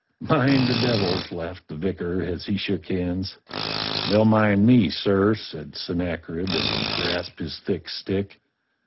"Mind the devils!" laughed the vicar as he shook hands. "They'll mind me, sir," said Sennacherib as he grasped his thick stick.